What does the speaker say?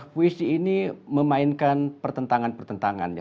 puisi ini memainkan pertentangan pertentangan